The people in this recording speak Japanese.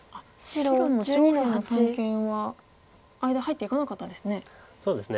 白も上辺の三間は間入っていかなかったですね。